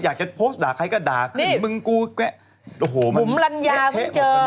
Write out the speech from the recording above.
อยากจะโพสต์ด่าใครก็ด่าขึ้นมึงกูแวะโอ้โหมันเฮะบุ๋มลัญญาเพิ่งเจอ